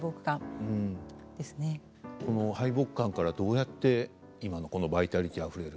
この敗北感からどうやって今のこのバイタリティーあふれる。